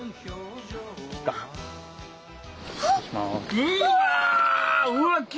うわ！